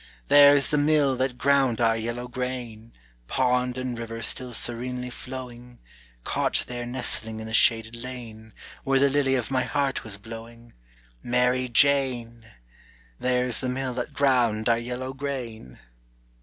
"There's the mill that ground our yellow grain; Pond and river still serenely flowing; Cot there nestling in the shaded lane, Where the lily of my heart was blowing, Mary Jane! There's the mill that ground our yellow grain.